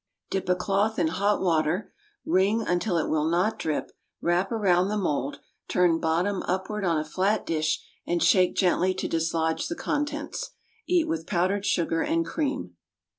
Dip a cloth in hot water, wring until it will not drip, wrap about the mould, turn bottom upward on a flat dish, and shake gently to dislodge the contents. Eat with powdered sugar and cream.